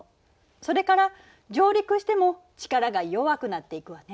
それから上陸しても力が弱くなっていくわね。